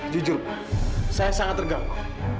jujur saya sangat terganggu